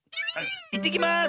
「いってきます！」